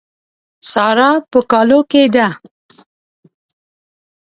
سارا په کالو کې ده.